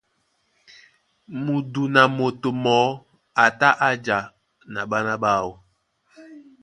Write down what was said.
Mudun a moto mɔɔ́ a tá a jǎ na ɓána ɓáō.